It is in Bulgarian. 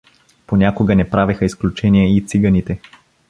Понякога не правеха изключение и циганите.